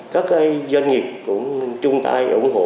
các doanh nghiệp cũng chung tay ủng hộ